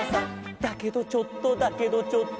「だけどちょっとだけどちょっと」